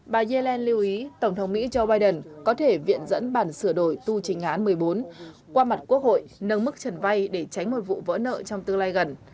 bà yellen lưu ý tổng thống mỹ joe biden có thể viện dẫn bản sửa đổi tu trình án một mươi bốn qua mặt quốc hội nâng mức trần vay để tránh một vụ vỡ nợ trong tương lai gần